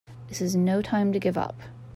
This is no time to give up!